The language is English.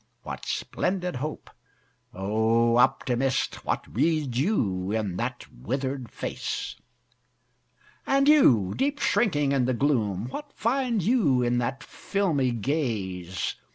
What splendid hope? O Optimist! What read you in that withered face? And You, deep shrinking in the gloom, What find you in that filmy gaze?